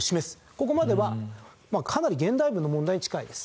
ここまではかなり現代文の問題に近いです。